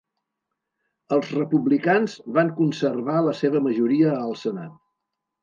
Els republicans van conservar la seva majoria al senat.